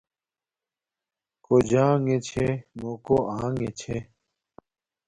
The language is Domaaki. کݸ جݳݣݺ چھݺ نݸ کݸ آݣݺ چھݺ.